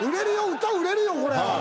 歌売れるよこれ。